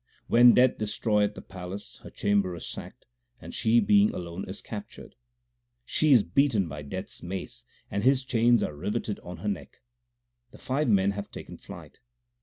When Death destroyeth the palace, her chamber is sacked, and she being alone is captured. She is beaten by Death s mace, and his chains are riveted on her neck ; the five men have taken flight.